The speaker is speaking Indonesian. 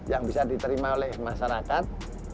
yang bisa diterima oleh masyarakat